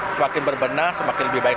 semakin berbenah semakin lebih baik